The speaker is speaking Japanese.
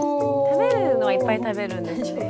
食べるのはいっぱい食べるんですね。